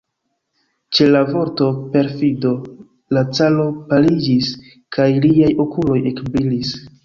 Ĉe la vorto "perfido" la caro paliĝis, kaj liaj okuloj ekbrilis.